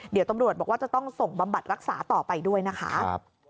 เดี๋ยวตำรวจบอกว่าจะต้องส่งบำบัดรักษาต่อไปด้วยนะคะ